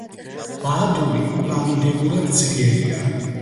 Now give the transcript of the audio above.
ბაადური კვლავინდებურად ძლიერია.